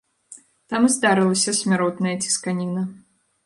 Там і здарылася смяротная цісканіна.